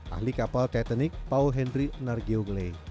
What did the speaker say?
ahli kapal titanic paul henry nargewit